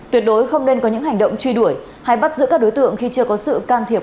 tuyệt đối không nên có những hành động truy đuổi hay bắt giữ các đối tượng khi chưa có sự can thiệp